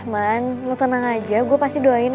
man lo tenang aja gue pasti doain